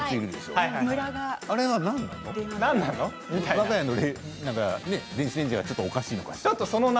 わが家の電子レンジがちょっとおかしいのかしら？